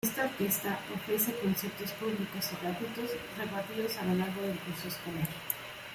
Esta orquesta ofrece conciertos públicos y gratuitos repartidos a lo largo del curso escolar.